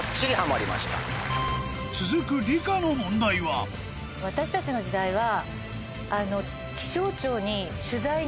続く理科の問題は私たちの時代は。